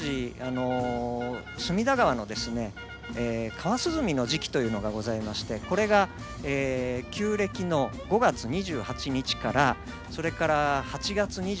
川涼みの時期というのがございましてこれが旧暦の５月２８日からそれから８月２８日まで。